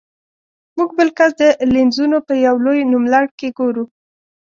موږ بل کس د لینزونو په یو لوی نوملړ کې ګورو.